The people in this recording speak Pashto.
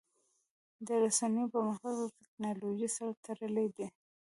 د رسنیو پرمختګ د ټکنالوژۍ سره تړلی دی.